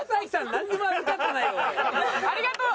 ありがとう。